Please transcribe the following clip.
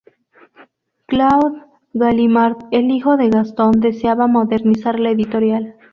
Claude Gallimard, el hijo de Gaston, deseaba modernizar la editorial.